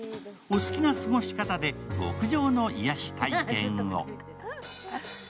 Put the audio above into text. お好きな過ごし方で極上の癒やし体験を。